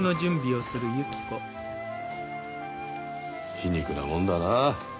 皮肉なもんだな。